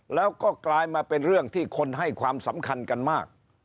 แล้วก็กลายมาเป็นเรื่องที่คนให้ความสำคัญกันมาก